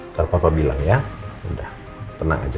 ntar papa bilang ya udah tenang aja